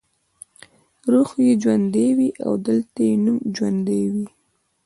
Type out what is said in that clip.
روح یې ژوندی وي او دلته یې نوم ژوندی وي.